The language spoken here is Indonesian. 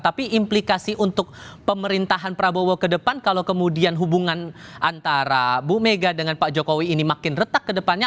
tapi implikasi untuk pemerintahan prabowo ke depan kalau kemudian hubungan antara bu mega dengan pak jokowi ini makin retak ke depannya